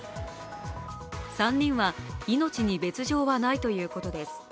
３人は命に別状はないということです。